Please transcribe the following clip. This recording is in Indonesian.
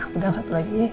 pegang satu lagi